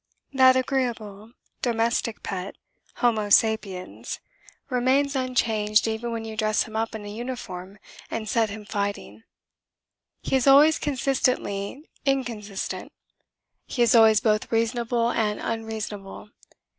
That agreeable domestic pet, homo sapiens, remains unchanged even when you dress him up in a uniform and set him fighting. He is always consistently inconsistent; he is always both reasonable and unreasonable.